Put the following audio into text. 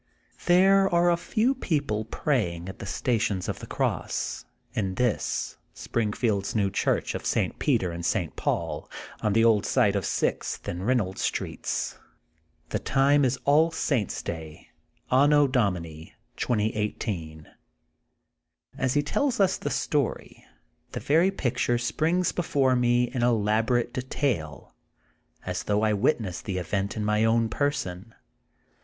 There are a few people praying at the sta 19 20 THE GOLDEN BOOK OF SPRINGFIELD tions of the cross, in this, Springfield's new chnrch of St. Peter and St. Panl, on the old site of Sixth and Reynold's Streets. The time is All Saint 's Day, Anno Domini, 2018. As he tells ns the story, the very picture springs be fore me in elaborate detail* as though I wit nessed the event in my own person.